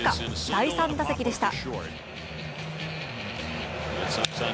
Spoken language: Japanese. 第３打席でした。